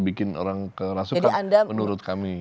bikin orang keras menurut kami